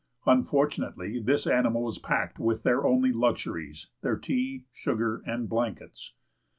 Unfortunately this animal was packed with their only luxuries, their tea, sugar, and blankets.